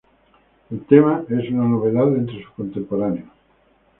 El tema fue una novedad entre sus contemporáneos.